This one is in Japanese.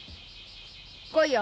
来いよ。